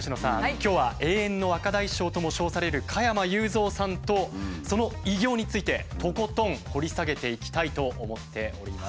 今日は「永遠の若大将」とも称される加山雄三さんとその偉業についてとことん掘り下げていきたいと思っております。